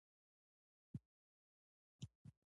زه هېچا نه وم ليدلى چې نسوار مې واچاوه.